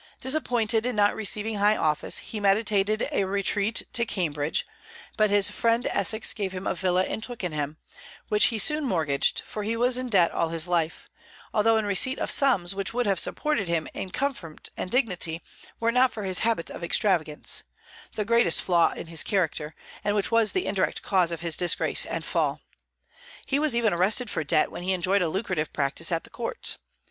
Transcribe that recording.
Disappointed in not receiving high office, he meditated a retreat to Cambridge; but his friend Essex gave him a villa in Twickenham, which he soon mortgaged, for he was in debt all his life, although in receipt of sums which would have supported him in comfort and dignity were it not for his habits of extravagance, the greatest flaw in his character, and which was the indirect cause of his disgrace and fall. He was even arrested for debt when he enjoyed a lucrative practice at the courts.